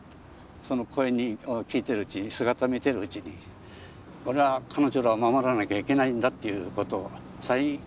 その声を聞いてるうちに姿見てるうちに俺は彼女らを守らなきゃいけないんだっていうことを再確認した。